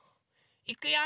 いくよ。